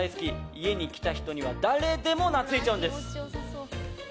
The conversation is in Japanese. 家に来た人には誰でも懐いちゃうんです。